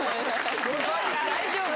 大丈夫？